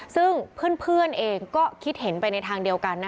ซึ่งเพื่อนเองก็คิดเห็นไปในทางเดียวกัน